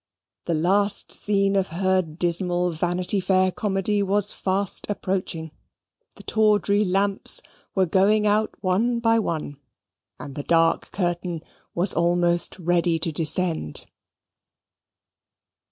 The last scene of her dismal Vanity Fair comedy was fast approaching; the tawdry lamps were going out one by one; and the dark curtain was almost ready to descend.